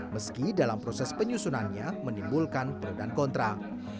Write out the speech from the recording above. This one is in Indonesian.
meski dalam proses penyusunannya menimbulkan perbedaan kontrak